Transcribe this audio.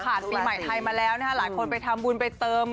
ขาดปีใหม่ทายมาแล้วนะคะละคนไปทำวุลไปเติม